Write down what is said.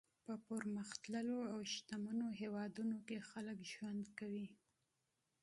په پرمختللو او شتمنو هېوادونو کې خلک ژوند کوي.